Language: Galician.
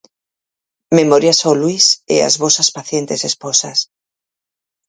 Memorias ao Luís e ás vosas pacientes esposas.